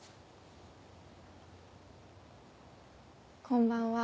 こんばんは。